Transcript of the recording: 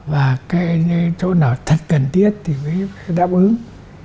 và cái chỗ nào thật cần thiết thì mới đáp ứng